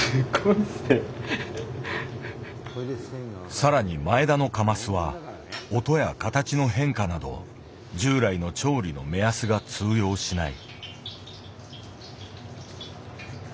更に前田のカマスは音や形の変化など従来の調理の目安が通用しない。